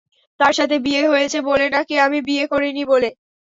তার সাথে বিয়ে হয়েছে বলে না কি আমি বিয়ে করিনি বলে?